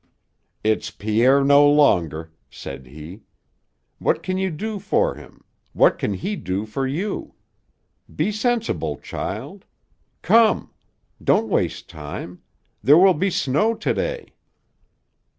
"It's Pierre no longer," said he. "What can you do for him? What can he do for you? Be sensible, child. Come. Don't waste time. There will be snow to day."